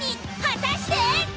果たして？